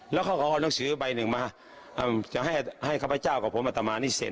แล้วเขาก็เอาหนังสือใบหนึ่งมาจะให้ข้าพเจ้ากับผมอัตมานี่เสร็จ